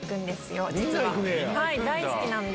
大好きなんで。